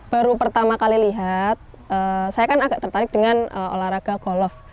baru pertama kali lihat saya kan agak tertarik dengan olahraga golf